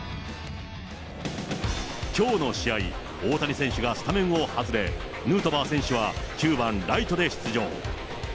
きょうの試合、大谷選手がスタメンを外れ、ヌートバー選手は９番ライトで出場。